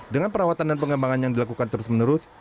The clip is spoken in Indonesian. dengan perawatan dan pengembangan yang dilakukan terus menerus